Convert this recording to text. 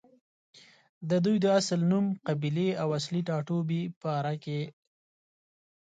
ددوي د اصل نوم، قبيلې او اصلي ټاټوبې باره کښې